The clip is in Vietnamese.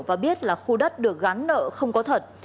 và biết là khu đất được gắn nợ không có thật